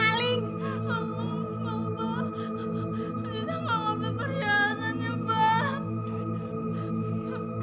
aziza tidak mengambil perhiasannya pak